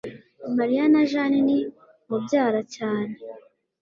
mariya na jane ni mubyara cyane